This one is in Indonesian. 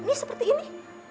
nih seperti ini